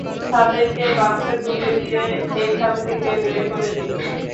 তাদের কে বাসে তুলে দিয়ে এখান থেকে বের করে দিবি।